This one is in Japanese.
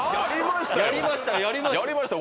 やりましたよ